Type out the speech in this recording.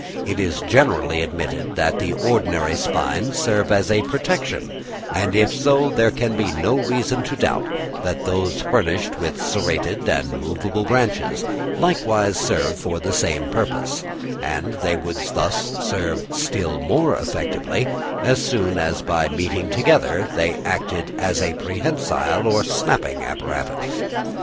It is generally admitted that the ordinary spines serve as a protection; and if so, there can be no reason to doubt that those furnished with serrated and movable branches likewise serve for the same purpose; and they would thus serve still more effectively as soon as by meeting together they acted as a prehensile or snapping apparatus.